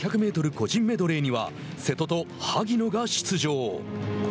個人メドレーには瀬戸と萩野が出場。